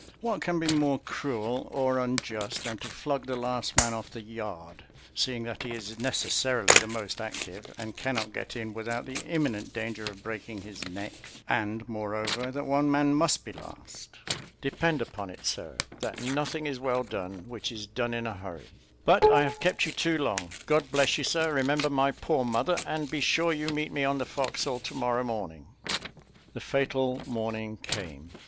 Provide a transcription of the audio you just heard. What can be more cruel or unjust than to flog the last man off the yard? seeing that he is necessarily the most active, and cannot get in without the imminent danger of breaking his neck; and, moreover, that one man must be last. Depend upon it, sir, 'that nothing is well done which is done in a hurry.' But I have kept you too long. God bless you, sir; remember my poor mother, and be sure you meet me on the forecastle to morrow morning." The fatal morning came.